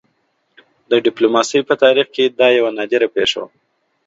د ډيپلوماسۍ په تاریخ کې دا یوه نادره پېښه وه.